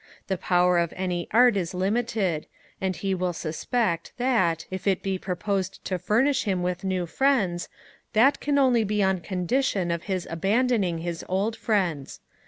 The power of any art is limited; and he will suspect, that, if it be proposed to furnish him with new friends, that can be only upon condition of his abandoning his old friends.